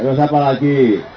terus apa lagi